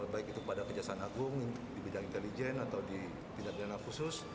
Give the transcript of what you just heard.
baik itu pada kejaksaan agung di bidang intelijen atau di tindak pidana khusus